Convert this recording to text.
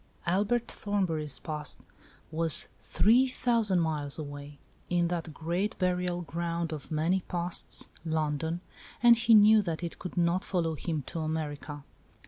Albert Thornbury's past was three thou ALICE ; OR, THE WAGES OF SIN. 23 sand miles away, in that great burial ground of many pasts, London, and he knew that it could not follow him to America.